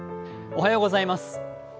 おはようございます。